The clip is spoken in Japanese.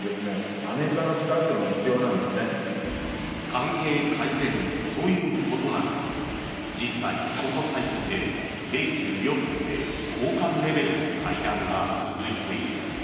関係改善ということなのか実際、ここ最近で米中両国で高官レベルの会談が続いている。